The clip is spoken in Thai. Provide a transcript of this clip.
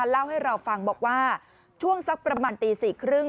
เล่าให้เราฟังบอกว่าช่วงสักประมาณตี๔๓๐